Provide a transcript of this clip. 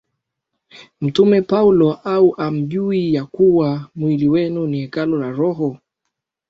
Mtume Paulo Au hamjui ya kuwa mwili wenu ni hekalu la Roho